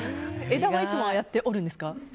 枝はいつもああやって折るんですか？